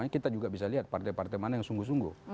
kita juga bisa lihat partai partai mana yang sungguh sungguh